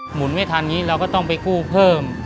หมุนไม่ทันอย่างนี้เราก็ต้องไปกู้เพิ่ม